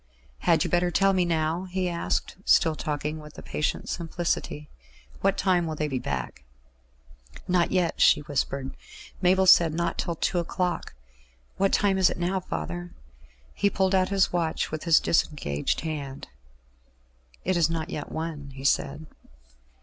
"Had you better tell me now?" he asked, still talking with a patient simplicity. "What time will they be back?" "Not yet," she whispered. "Mabel said not till two o'clock. What time is it now, father?" He pulled out his watch with his disengaged hand. "It is not yet one," he said.